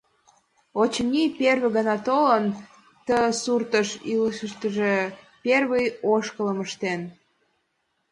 Очыни, первый гана толын, ты суртыш илышыштыже первый ошкылым ыштен.